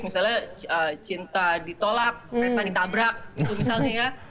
misalnya cinta ditolak peta ditabrak gitu misalnya ya